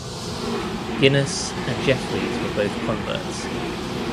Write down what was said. Guinness and Jeffries were both converts.